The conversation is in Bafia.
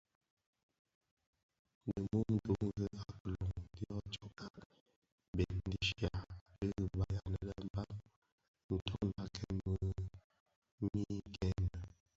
Di mum duňzi a kiloň dyo tsokka bèn dhishya di ribaï anë lè Mbam ntondakèn mii gene.